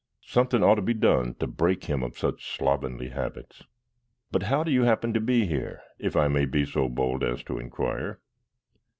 "Something ought to be done to break him of such slovenly habits. But how do you happen to be here, if I may be so bold as to inquire?"